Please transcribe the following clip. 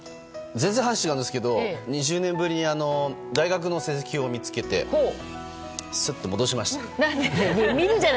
全然、話違うんですけど２０年ぶりに大学の成績表を見つけてすっと戻しました。